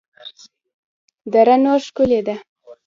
دره نور ښکلې ده؟